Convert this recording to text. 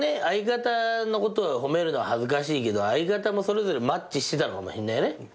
相方のことを褒めるのは恥ずかしいけど相方もそれぞれマッチしてたのかもしんないね。